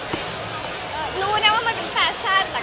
กูเนี่ยว่ามันเป็นแฟชั่นแต่ก็แบบ